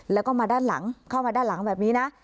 แล้วก็มาด้านหลังเข้ามาด้านหลังแบบนี้นะ